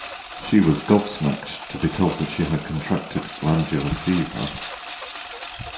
She was gobsmacked to be told that she had contracted glandular fever